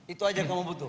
itu aja kamu butuh